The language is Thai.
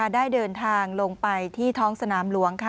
ได้เดินทางลงไปที่ท้องสนามหลวง